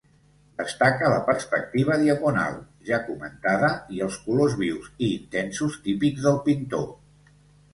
Destaca la perspectiva diagonal, ja comentada, i els colors vius i intensos típics del pintor.